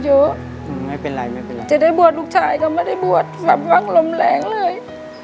จะได้บวชลูกชายก็ไม่ได้บวชฝั่งลมแรงเลย